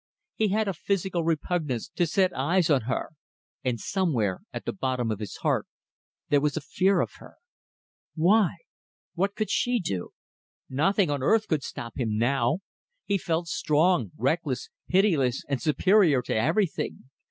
He had a physical repugnance to set eyes on her. And somewhere, at the very bottom of his heart, there was a fear of her. Why? What could she do? Nothing on earth could stop him now. He felt strong, reckless, pitiless, and superior to everything.